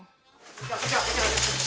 kejar kejar kejar